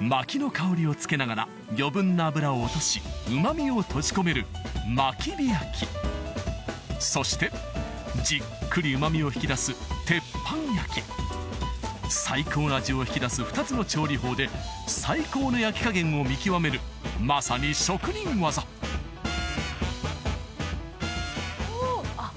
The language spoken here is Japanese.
薪の香りを付けながら余分な脂を落としうまみを閉じ込める薪火焼きそしてじっくりうまみを引き出す鉄板焼き最高の味を引き出す２つの調理法で最高の焼き加減を見極めるまさに職人技うわ！